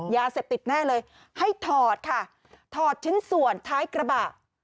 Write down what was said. ยาเสพติดแน่เลยให้ถอดค่ะถอดชิ้นส่วนท้ายกระบะ